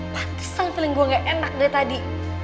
patihan peling gue nggak enak dari tadi